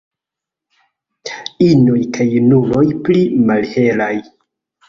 Inoj kaj junuloj pli malhelaj.